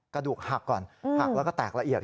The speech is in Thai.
กระดูกหักก่อนหักแล้วก็แตกละเอียด